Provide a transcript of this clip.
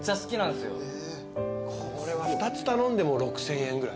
２つ頼んでも６，０００円ぐらい。